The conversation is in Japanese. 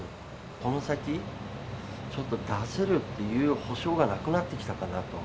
この先ちょっと出せるっていう保証がなくなってきたかなと。